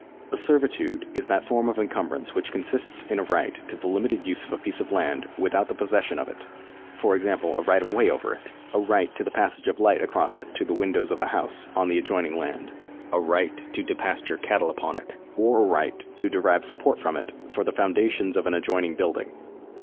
A servitude is that form of encumbrance which consists in a right to the limited use of a piece of land without the possession of it ; for example, a right of Avay over it, a right to the passage of light across it to the windows of a house on the adjoining land, a right to depasture cattle upon it, or a right to derive support from it for the foundations of an adjoining building.